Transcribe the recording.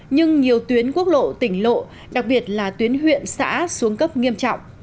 nhưng nhiều tuyến quốc lộ tỉnh lộ đặc biệt là tuyến huyện xã xuống cấp nghiêm trọng